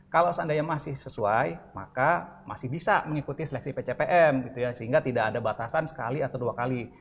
kalau seandainya masih sesuai maka masih bisa mengikuti seleksi pcpm gitu ya sehingga tidak ada batasan sekali atau dua kali